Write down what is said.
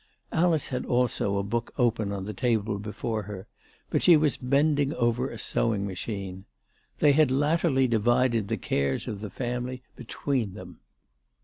Alice had also a book open on the table before her, but she was bending over a sewing machine. They had latterly divided the cares of the family between them.